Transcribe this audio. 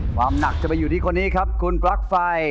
ความหนักจะไปอยู่ที่คนนี้ครับคุณปลั๊กไฟ